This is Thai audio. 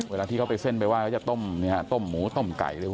เวลาที่เขาไปเส้นไปว่าจะต้มหมูต้มไก่